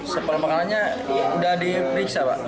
sempel makanannya sudah diperiksa pak